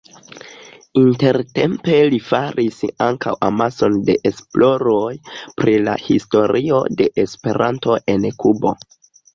Intertempe li faris ankaŭ amason da esploroj pri la historio de Esperanto en Kubo.